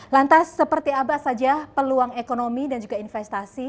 lantas seperti apa saja peluang ekonomi dan juga investasi